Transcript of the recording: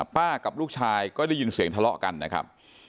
กับลูกชายก็ได้ยินเสียงทะเลาะกันนะครับ